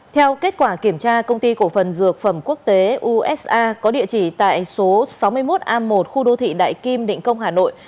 theo kết quả kiểm tra công ty cổ phần dược phẩm quốc tế usa có địa chỉ tại số sáu mươi một a một khu đô thị đại kim định công hà nội